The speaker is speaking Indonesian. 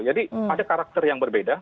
jadi ada karakter yang berbeda